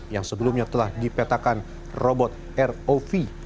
yang sebelumnya telah dipetakan robot rov